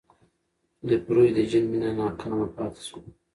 لفروی د جین مینه ناکام پاتې شوه.